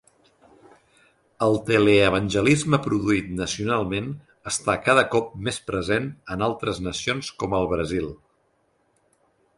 El teleevangelisme produït nacionalment està cada cop més present en altres nacions com el Brasil.